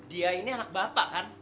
dia ini anak bapak kan